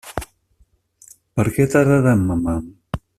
Per què tarda tant Mamà?